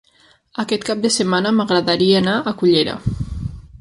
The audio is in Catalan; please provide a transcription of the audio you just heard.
Aquest cap de setmana m'agradaria anar a Cullera.